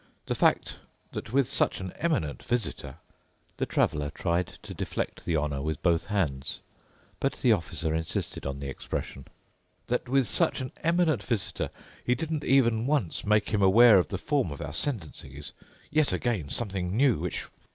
The fact that with such an eminent visitor"—the traveler tried to deflect the honour with both hands, but the officer insisted on the expression—"that with such an eminent visitor he didn't even once make him aware of the form of our sentencing is yet again something new, which